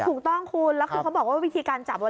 ถูกต้องคุณแล้วคือเขาบอกว่าวิธีการจับ